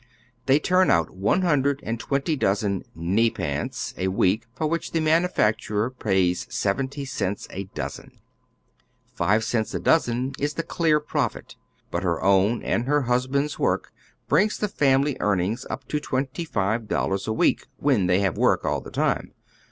They turn out one hnndred and twenty dozen " knee pants " a week, for which the manufaetui ei pays seventy cents a dozen. Five cents a dozen is the clear profit, but her own and her htisbaiid's work brings the f amiJy earnings up to twenty five dollars a week, when they have work all the time.